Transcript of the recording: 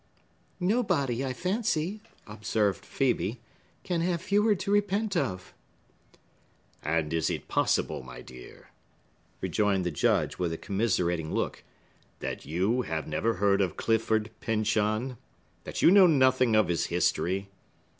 "Nobody, I fancy," observed Phœbe, "can have fewer to repent of." "And is it possible, my dear," rejoined the Judge, with a commiserating look, "that you have never heard of Clifford Pyncheon?—that you know nothing of his history?